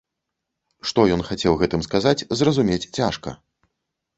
Што ён хацеў гэтым сказаць, зразумець цяжка.